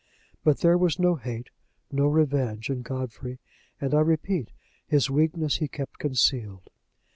But there was no hate, no revenge, in Godfrey, and, I repeat, his weakness he kept concealed.